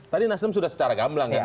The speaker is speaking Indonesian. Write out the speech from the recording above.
tadi nasdem sudah secara gamblang kan